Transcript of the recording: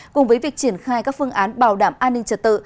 cùng với việc triển khai các phương án bảo đảm an ninh trật tự